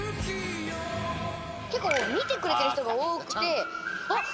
結構見てくれてる人が多くて。